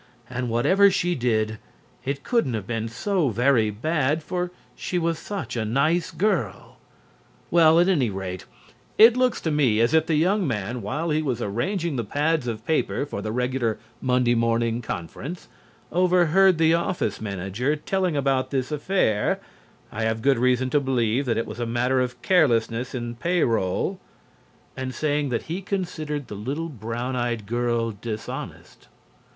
And whatever she did, it couldn't have been so very bad, for she was such a nice girl. Well, at any rate, it looks to me as if the young man, while he was arranging the pads of paper for the regular Monday morning conference, overheard the office manager telling about this affair (I have good reason to believe that it was a matter of carelessness in the payroll) and saying that he considered the little brown eyed girl dishonest.